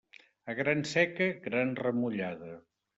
A gran seca, gran remullada.